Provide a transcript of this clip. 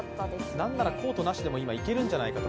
なんならコートなしでもいけるんじゃないかと。